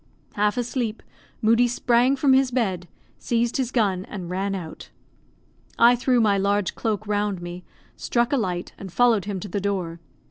Half asleep, Moodie sprang from his bed, seized his gun, and ran out. I threw my large cloak round me, struck a light, and followed him to the door.